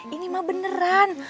ini mah beneran